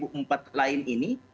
karena tidak ada kepentingan